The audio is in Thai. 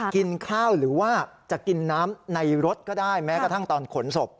กินข้าวหรือว่าจะกินน้ำในรถก็ได้แม้กระทั่งตอนขนศพ